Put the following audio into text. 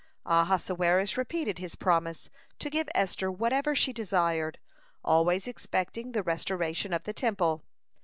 (176) Ahasuerus repeated his promise, to give Esther whatever she desired, always expecting the restoration of the Temple.